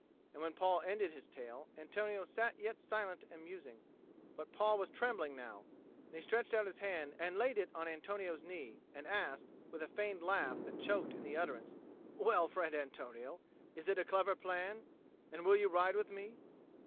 And when Paul ended his tale, Antonio sat yet silent and musing. But Paul was trembling now, and he stretched out his hand and laid it on Antonio's knee, and asked, with a feigned laugh that choked in the utterance, "Well, friend Antonio, is it a clever plan, and will you ride with me?"